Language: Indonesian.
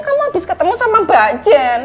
kamu abis ketemu sama mba jen